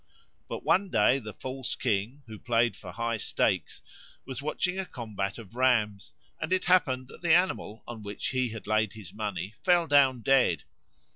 But one day the false king, who played for high stakes, was watching a combat of rams, and it happened that the animal on which he had laid his money fell down dead.